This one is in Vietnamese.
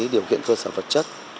điều kiện cơ sở vật chất